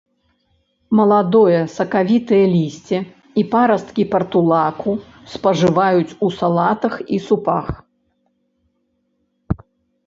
Маладое сакавітае лісце і парасткі партулаку спажываюць у салатах і супах.